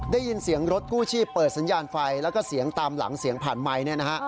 ได้ยินเสียงรถกู้ชีพเปิดสัญญาณไฟแล้วก็เสียงตามหลังเสียงผ่านไมค์เนี่ยนะฮะ